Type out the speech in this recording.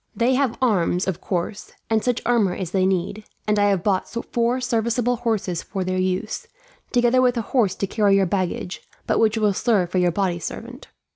"They have arms, of course, and such armour as they need; and I have bought four serviceable horses for their use, together with a horse to carry your baggage, but which will serve for your body servant.